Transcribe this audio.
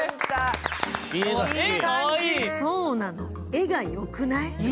絵がよくない？